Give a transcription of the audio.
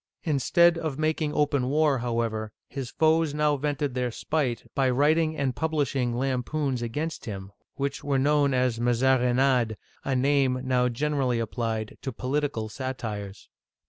Instead of making open war, however, his foes now vented their spite by writing and publishing lampoons against him, which were known as " Mazarinades," a name now generally applied to poli tical satires.